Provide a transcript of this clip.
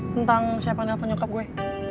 tentang siapa yang nelfon nyokap gue